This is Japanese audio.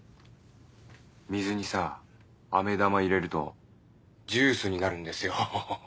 水にさあめ玉入れるとジュースになるんですよ。